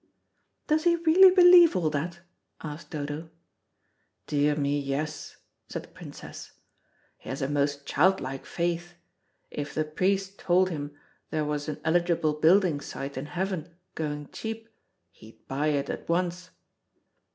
"Does he really believe all that?" asked Dodo. "Dear me, yes," said the Princess. "He has a most childlike faith. If the priest told him there was an eligible building site in heaven going cheap, he'd buy it at once.